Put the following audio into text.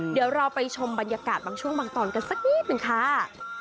เดี๋ยวเราไปชมบรรยากาศบางช่วงบางตอนกันสักนิดหนึ่งค่ะ